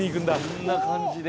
そんな感じで？